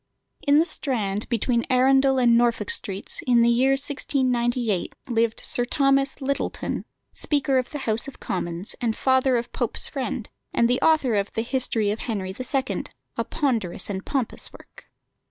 In the Strand, between Arundel and Norfolk Streets, in the year 1698, lived Sir Thomas Lyttelton, Speaker of the House of Commons, and father of Pope's friend, and the author of the History of Henry the Second, a ponderous and pompous work.